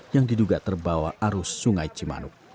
yang diduga terbawa arus sungai cimanuk